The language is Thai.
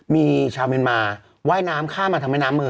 มีชาวเมียนมาว่ายน้ำข้ามมาทางแม่น้ำมือ